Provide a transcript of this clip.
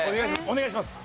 お願いします。